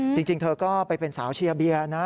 จริงเธอก็ไปเป็นสาวเชียร์เบียร์นะ